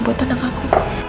buat anak aku